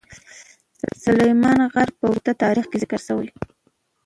سلیمان غر په اوږده تاریخ کې ذکر شوی.